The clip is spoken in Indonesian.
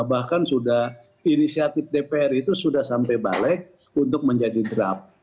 bahkan sudah inisiatif dpr itu sudah sampai balik untuk menjadi draft